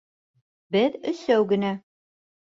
Беҙ өсәү генә